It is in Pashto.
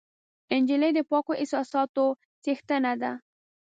نجلۍ د پاکو احساسونو څښتنه ده.